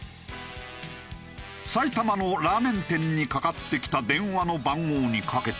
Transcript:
埼玉のラーメン店にかかってきた電話の番号にかけてみると。